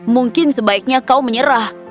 mungkin sebaiknya kau menyerah